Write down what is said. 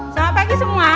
selamat pagi semua